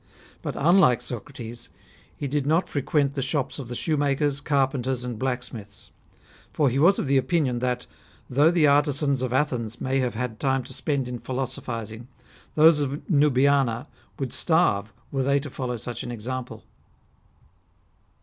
But nnlike Socrates, he did not frequent the shops of the shoemakers, carpenters, and blacksmiths ; for he was of opinion that, though the artisans of Athens may have had time to spend in philoso phising, those of Nubiana would starve were they to follow such an example.